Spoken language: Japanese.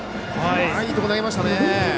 いいところへ投げましたね。